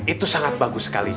itu sangat bagus sekali